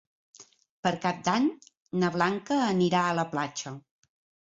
Per Cap d'Any na Blanca anirà a la platja.